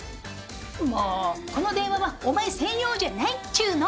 もうこの電話はお前専用じゃないっちゅの。